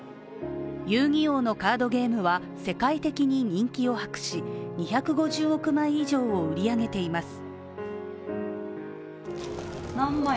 「遊☆戯☆王」のカードゲームは世界的に人気を博し２５０億枚以上を売り上げています。